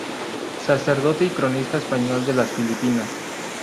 Sacerdote y cronista español de las Filipinas.